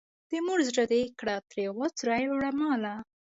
د مور زړه دې کړه ترې غوڅ رایې وړه ماله.